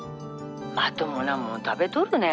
まともなもん食べとるね？